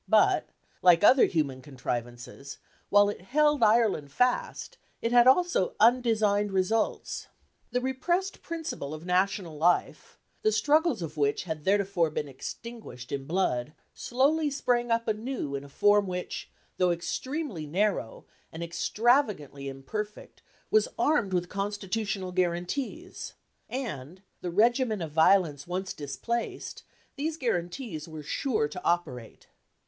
But, like other human contrivances, while it held Ireland fast, it had also undesigned results. The repressed principle of national life, the struggles of which had theretofore been extinguished in blood, slowly sprang up anew in a form which, though extremely narrow, and extravagantly imperfect, was armed with constitutional guarantees; and, the regimen of violence once displaced, these guarantees were sure to operate.